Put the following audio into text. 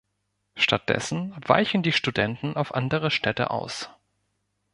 Stattdessen weichen die Studenten auf andere Städte aus.